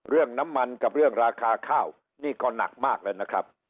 เรื่องน้ำมันกับเรื่องราคาข้าวนี่ก็หนักมากแล้วนะครับ